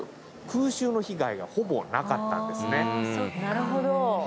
なるほど。